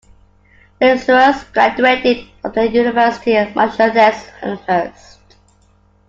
Lazarus graduated from the University of Massachusetts Amherst.